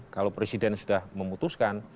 kalau presiden sudah memutuskan